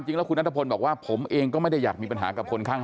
จริงแล้วคุณนัทพลบอกว่าผมเองก็ไม่ได้อยากมีปัญหากับคนข้าง